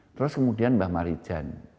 terus kemudian mbah marijan